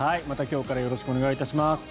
また今日からよろしくお願いします。